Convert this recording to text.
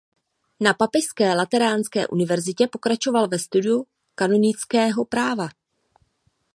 Na Papežské lateránské univerzitě pokračoval ve studiu kanonického práva.